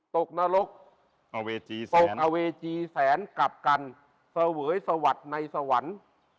กนรกตกอเวจีแสนกลับกันเสวยสวัสดิ์ในสวรรค์